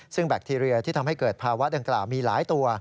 ซึ่งแบคทีเรียที่ทำให้เกิดภาวะดังกล่าวมีหลายตัว